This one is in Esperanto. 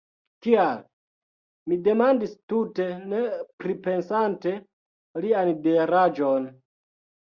Kial? mi demandis tute ne pripensante lian diraĵon.